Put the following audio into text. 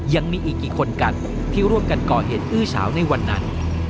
ยังมีอีกกี่คนกันที่ร่วมกันก่อเหตุอื้อเฉาในวันนั้น